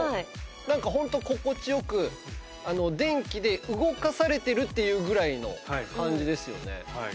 なんかホント心地良く電気で動かされてるっていうぐらいの感じですよね。